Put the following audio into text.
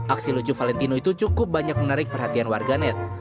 aksi lucu valentino itu cukup banyak menarik perhatian warganet